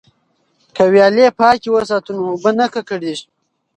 که ویالې پاکې وساتو نو اوبه نه ککړیږي.